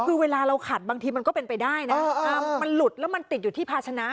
คือเวลาเราขัดบางทีมันก็เป็นไปได้นะมันหลุดแล้วมันติดอยู่ที่ภาชนะ